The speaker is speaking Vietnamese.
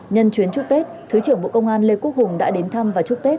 nhân chuyến chúc tết thứ trưởng bộ công an lê quốc hùng đã đến thăm và chúc tết